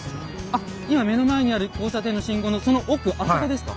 あっ今目の前にある交差点の信号のその奥あそこですか？